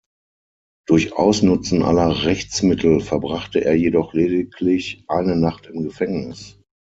Durch Ausnutzen aller Rechtsmittel verbrachte er jedoch lediglich eine Nacht im Gefängnis.